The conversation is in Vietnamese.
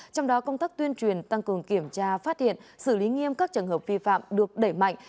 trong đó công tác tuyên truyền tăng cường kiểm tra phát hiện xử lý nghiêm các trường hợp vi phạm được đẩy mạnh